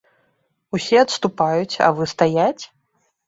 Усе адступаюць, а вы стаяць?